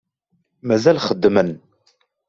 Mazal xeddmen.